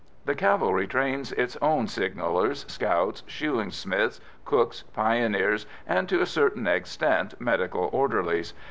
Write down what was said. The cavalry trains its own signallers, scouts, shoeing smiths, cooks, pioneers, and to a certain extent medical orderlies.